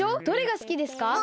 どれがすきですか？